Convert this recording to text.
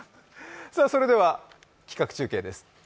それでは企画中継です。